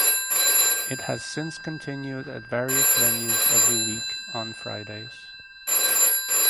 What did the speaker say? It had since continued at various venues every week on Fridays.